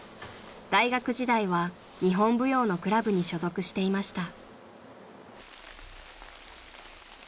［大学時代は日本舞踊のクラブに所属していました］